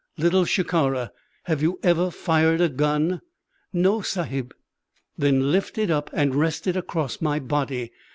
"Little Shikara, have you ever fired a gun?" "No, Sahib " "Then lift it up and rest it across my body.